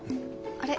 あれ？